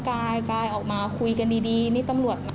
กายออกมาคุยกันดีนี่ตำรวจ